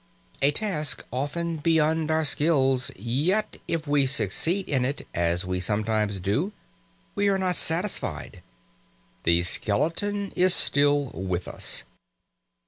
A task often beyond our skill! Yet, if we succeed in it, as we sometimes do, we are not satisfied; the skeleton is still with us.